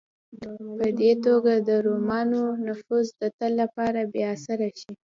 په دې توګه د روسانو نفوذ د تل لپاره بې اثره شي.